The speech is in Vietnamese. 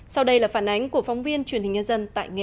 sau đây là phản ánh của phóng viên truyền hình nhân dân tại nghệ an